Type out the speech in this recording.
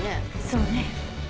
そうね。